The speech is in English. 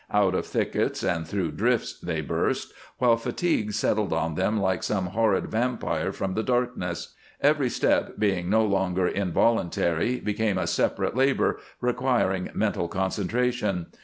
Out of thickets and through drifts they burst, while fatigue settled on them like some horrid vampire from the darkness. Every step being no longer involuntary became a separate labor, requiring mental concentration.